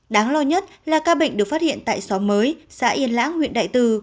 đáng lo nhất là ca bệnh được phát hiện tại xóm mới xã yên lãng huyện đại từ